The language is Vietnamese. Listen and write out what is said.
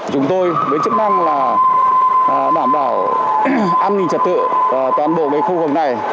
chúng tôi với chức năng là đảm bảo an ninh trật tự toàn bộ khu vực này